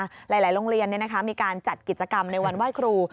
หลายโรงเรียนมีการจัดกิจกรรมในวันไหว้ครู